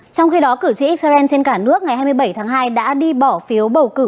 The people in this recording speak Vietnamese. trong khi đó cử tri israel trên cả nước ngày hai mươi bảy tháng hai đã đi bỏ phiếu bầu cử